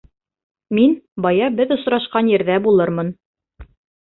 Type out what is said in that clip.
Мин бая беҙ осрашҡан ерҙә булырмын.